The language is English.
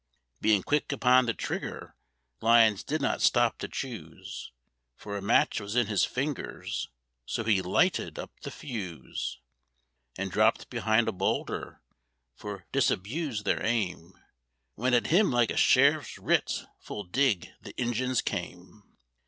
Bein' quick upon the trigger Lyons did not stop to choose, For a match was in his fingers, so he lighted up the fuse, And dropped behind a boulder for to disabuse their aim, When at him like a sheriff's writ full dig the Injuns came.